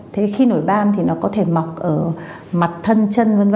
thế khi nổi ban thì nó có thể mọc ở mặt thân chân v v